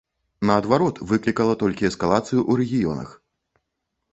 Наадварот, выклікала толькі эскалацыю ў рэгіёнах.